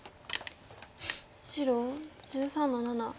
白１３の七。